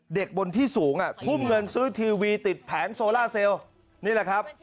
บนที่สูงอ่ะทุ่มเงินซื้อทีวีติดแผงโซล่าเซลล์นี่แหละครับ